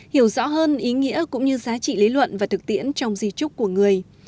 hiểu rõ hơn ý nghĩa cũng như giá trị lý luận và thực tiễn trong di trúc của người